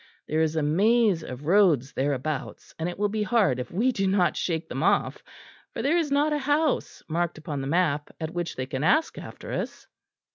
There is a maze of roads thereabouts, and it will be hard if we do not shake them off; for there is not a house, marked upon the map, at which they can ask after us."